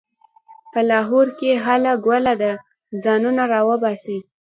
په لاهور کې هله ګوله ده؛ ځانونه راباسئ.